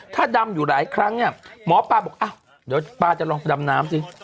ถ้าดำอยู่หลายครั้งเนี่ยหมอปลาบอกเดี๋ยวปลาจะลองดำน้ำสิ